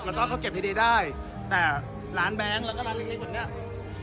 แล้วก็เขาเก็บดีดีได้แต่ร้านแบงค์แล้วก็ร้านเล็กแบบเนี้ย